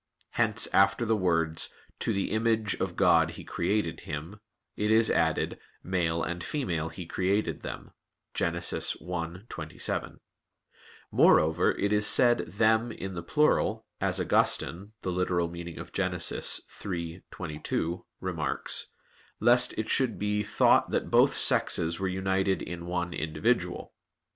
Hence after the words, "To the image of God He created him," it is added, "Male and female He created them" (Gen. 1:27). Moreover it is said "them" in the plural, as Augustine (Gen. ad lit. iii, 22) remarks, lest it should be thought that both sexes were united in one individual.